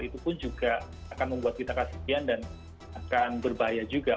itu pun juga akan membuat kita kasepian dan akan berbahaya juga